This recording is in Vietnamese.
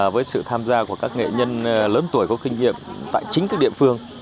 với sự tham gia của các nghệ nhân lớn tuổi có kinh nghiệm tại chính các địa phương